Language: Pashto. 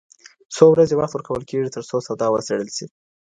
څو ورځې وخت ورکول کيږي ترڅو سودا وڅيړل سي.